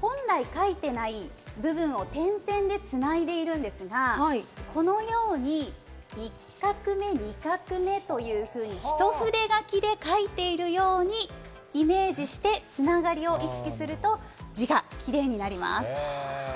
本来、書いていない部分を点線で繋いでいるんですが、このように、１画目、２画目というふうに、ひと筆書きで書いているようにイメージしてつながりを意識すると字がキレイになります。